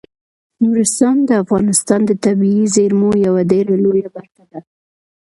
نورستان د افغانستان د طبیعي زیرمو یوه ډیره لویه برخه ده.